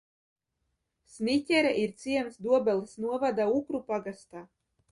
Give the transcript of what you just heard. Sniķere ir ciems Dobeles novada Ukru pagastā.